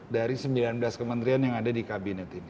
dari sembilan belas kementerian yang ada di kabinet ini